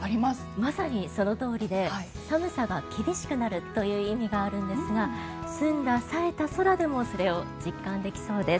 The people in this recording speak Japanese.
まさにそのとおりで寒さが厳しくなるという意味があるんですが澄んだ冴えた空でもそれを実感できそうです。